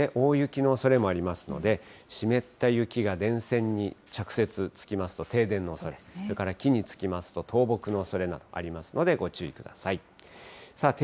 大雪のおそれもありますので、湿った雪が電線に着雪、つきますと、停電のおそれ、それから木につきますと、倒木のおそれがありますので、ご注意ください。